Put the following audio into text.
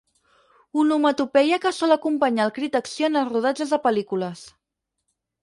Onomatopeia que sol acompanyar el crit d'acció en els rodatges de pel·lícules.